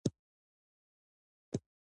کله چې افغانستان کې ولسواکي وي د بیان آزادي وي.